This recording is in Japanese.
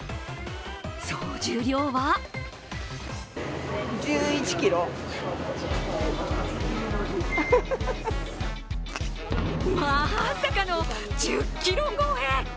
総重量はまさかの１０ｋｇ超え！